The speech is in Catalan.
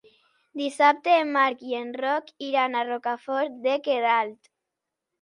Dissabte en Marc i en Roc iran a Rocafort de Queralt.